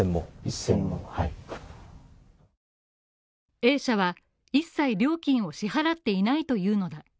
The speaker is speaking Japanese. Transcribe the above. Ａ社は一切料金を支払っていないというのだ。